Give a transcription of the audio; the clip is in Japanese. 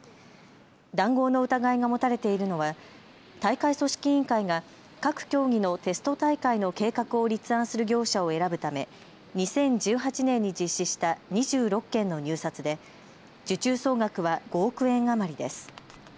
談合の疑いが持たれているのは大会組織委員会が各競技のテスト大会の計画を立案する業者を選ぶため、２０１８年に実施した２６件の入札で受注総額は５億円余りです。